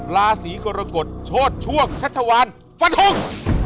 ราศรีกอรกฎโชชั่วชาตาวันฝันหงษ์